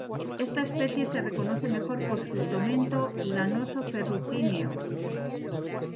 Esta especie se reconoce mejor por su tomento lanoso-ferrugíneo.